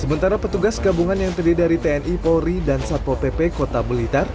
sementara petugas gabungan yang terdiri dari tni polri dan satpol pp kota blitar